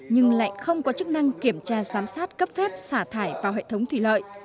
nhưng lại không có chức năng kiểm tra giám sát cấp phép xả thải vào hệ thống thủy lợi